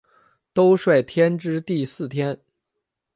兜率天之第四天。